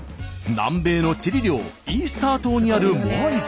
南米のチリ領イースター島にあるモアイ像。